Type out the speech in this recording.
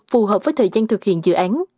phù hợp với thời gian thực hiện dự án